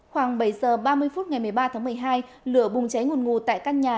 khoảng bảy giờ ba mươi phút ngày một mươi ba tháng một mươi hai lửa bùng cháy nguồn ngủ tại căn nhà